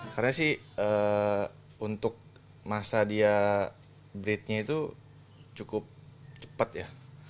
karena sih untuk masa dia breednya itu cukup cepat ya